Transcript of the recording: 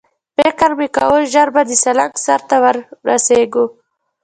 فکر مې کاوه ژر به د سالنګ سر ته ورسېږو.